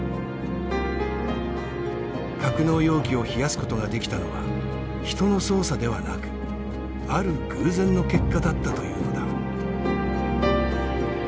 格納容器を冷やすことができたのは人の操作ではなくある偶然の結果だったというのだ。